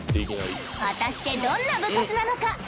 果たしてどんな部活なのか？